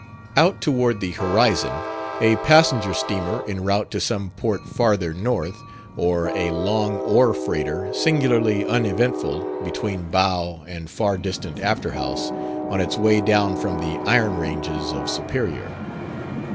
Out toward the horizon a passenger steamer en route to some port farther north, or a long ore freighter, singularly uneventful between bow and far distant afterhouse, on its way down from the iron ranges of Superior.